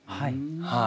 はい。